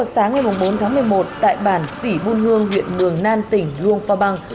sáng ngày bốn tháng một mươi một tại bản sỉ buôn hương huyện mường nan tỉnh luông pha bằng